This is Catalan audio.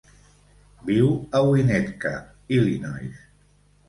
Viu a Winnetka, Illinois.